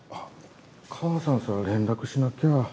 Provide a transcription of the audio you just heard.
母さんさ連絡しなきゃ。